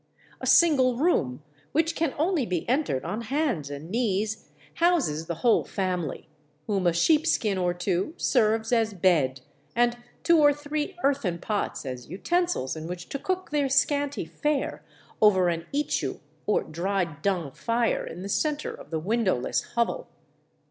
A single room, which can only be entered on hands and knees, houses the whole family, whom a sheepskin or two serves as bed, and two or three earthen pots as utensils in which to cook their scanty fare over an ichu or dried dung fire in the center of the windowless hovel.